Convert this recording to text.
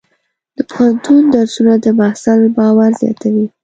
د پوهنتون درسونه د محصل باور زیاتوي.